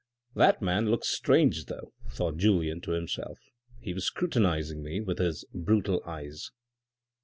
"That man looked strange though," thought Julien to himself. " He was scrutinizing me with his brutal eyes."